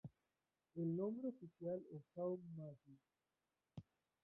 El nombre oficial es São Mateus.